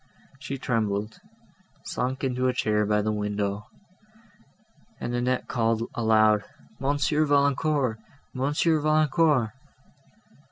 She trembled, sunk into a chair by the window, and Annette called aloud, "Monsieur Valancourt! Monsieur Valancourt!"